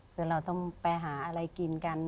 คือเราต้องไปหาอะไรกินกัน